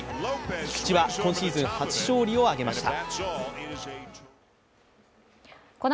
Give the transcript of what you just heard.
菊池は今シーズン初勝利を挙げました。